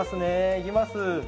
いきます。